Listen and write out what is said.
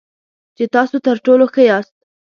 چې تاسو تر ټولو ښه یاست .